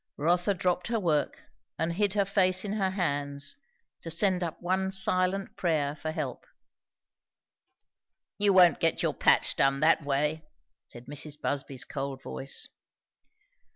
Rotha dropped her work and hid her face in her hands, to send up one silent prayer for help. "You won't get your patch done that way," said Mrs. Busby's cold voice.